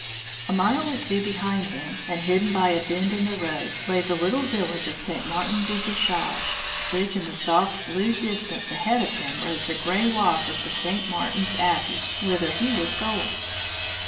A mile or two behind him, and hidden by a bend in the road, lay the little village of St. Martin de Bouchage; while in the soft blue distance ahead of him rose the gray walls of St. Martin's Abbey, whither he was going.